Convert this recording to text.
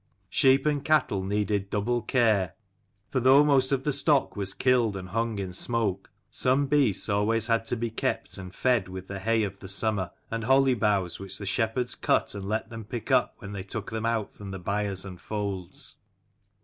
Sheep and cattle needed double care ; for though most of the stock was killed and hung in smoke, some beasts always had to be kept, and fed with the hay of the summer, and holly boughs, which the shepherds cut and let them pick up when they took them out from the byres and folds.